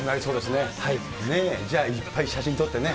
ねえ、じゃあいっぱい写真撮ってね。